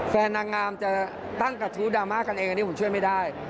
แฟนนางงามจะตั้งกระทู้ดราม่ากันเองอันนี้ผมช่วยไม่ได้